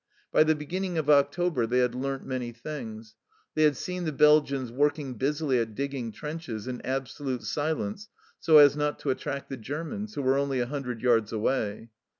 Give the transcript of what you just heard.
By the beginning of October they had learnt many things. They had seen the Belgians working busily at digging trenches, in absolute silence, so as not to attract the Germans, who were only a hundred yards away.